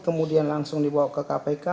kemudian langsung dibawa ke kpk